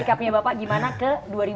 sikapnya bapak gimana ke dua ribu dua puluh